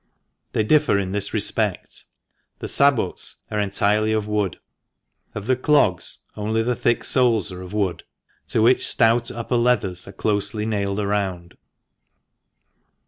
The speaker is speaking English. They differ in this respect. The sabots are entirely of wood. Of the clogs only the thick soles are of wood, to which stout upper leathers are closely nailed round.